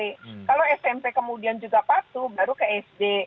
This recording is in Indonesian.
kalau smp kemudian juga patuh baru ke sd